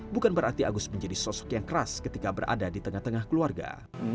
bukan berarti agus menjadi sosok yang keras ketika berada di tengah tengah keluarga